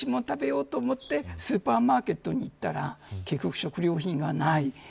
食べようと思ってスーパーマーケットに行ったら結局、食料品がない。